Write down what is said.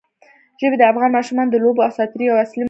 ژبې د افغان ماشومانو د لوبو او ساتېرۍ یوه اصلي موضوع ګڼل کېږي.